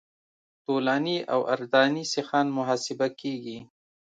طولاني او عرضاني سیخان محاسبه کیږي